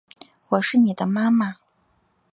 我是妳的妈妈